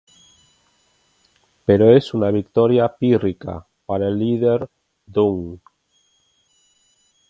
Pero es una victoria pírrica para el líder, Dunn.